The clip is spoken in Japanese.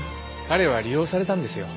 彼は利用されたんですよ。